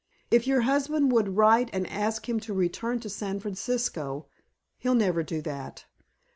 If your husband would write and ask him to return to San Francisco " "He'd never do that."